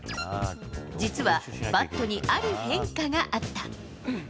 実はバットにある変化があった。